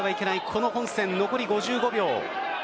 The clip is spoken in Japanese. この本戦残り５５秒。